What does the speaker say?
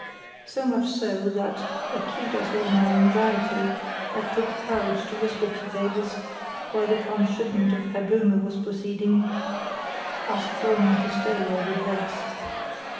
So much so, that, acute as was my anxiety, I took courage to whisper to Davies, while the transhipment of Herr Böhme was proceeding: "Ask Dollmann to stay while we dress."